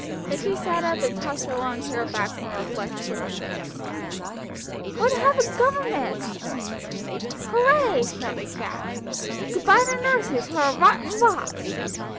Then she sat up and tossed her long hair back from her flushed little face. "We're to have a governess!" "Hurray!" shouted Jack. "Good bye to nurses, who are rotten rot!"